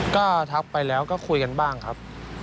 ก็ทักไปแล้วก็คุยกันบ้างครับ